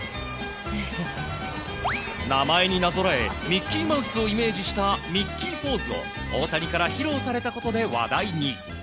名前になぞらえミッキーマウスをイメージしたミッキーポーズを大谷から披露されたことで話題に。